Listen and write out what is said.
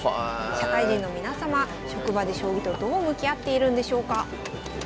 職場で将棋とどう向き合っているんでしょうか。